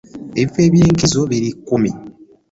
Ebifo eby'enkizo biri kkumi.